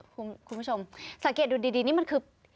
คุณผู้ชมสังเกตดูดีนี่มันคือ